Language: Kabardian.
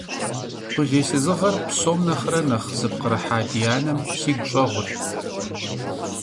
Къулейсызыгъэр псом нэхърэ нэхъ зыпкърыхьа ди анэм сигу щӀэгъурт.